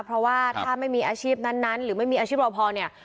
เพราะว่าถ้าไม่มีอาชีพนั้นหรือไม่มีอาชีพรอพอเนี่ย